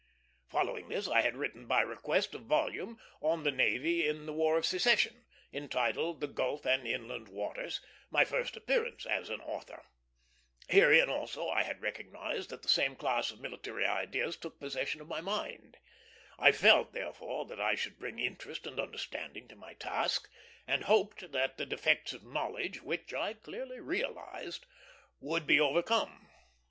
Following this I had written by request a volume on the Navy in the War of Secession, entitled The Gulf and Inland Waters; my first appearance as an author. Herein also I had recognized that the same class of military ideas took possession of my mind. I felt, therefore, that I should bring interest and understanding to my task, and hoped that the defects of knowledge, which I clearly realized, would be overcome.